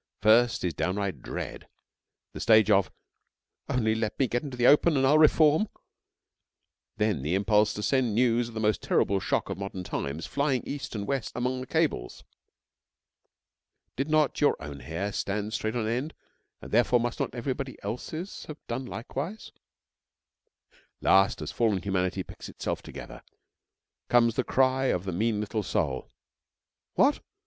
First is downright dread; the stage of 'only let me get into the open and I'll reform,' then the impulse to send news of the most terrible shock of modern times flying east and west among the cables. (Did not your own hair stand straight on end, and, therefore, must not everybody else's have done likewise?) Last, as fallen humanity picks itself together, comes the cry of the mean little soul: 'What!